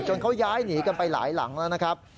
เขาย้ายหนีกันไปหลายหลังแล้วนะครับ